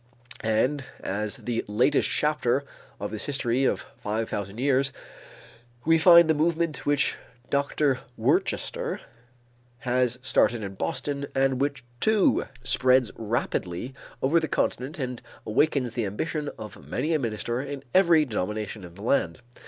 And as the latest chapter of this history of five thousand years, we find the movement which Dr. Worcester has started in Boston and which, too, spreads rapidly over the continent and awakens the ambition of many a minister in every denomination in the land.